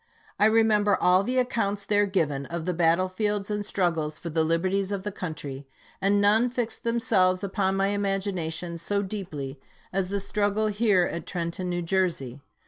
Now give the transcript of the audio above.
I remember all the accounts there given of the battle fields and struggles for the liberties of the country, and none fixed themselves upon my imagination so deeply as the struggle here at Trenton, New Jersey.